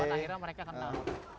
akhirnya mereka kenal